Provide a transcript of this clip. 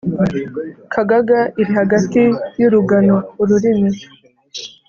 Kagaga iri hagati y'urugano-Ururimi.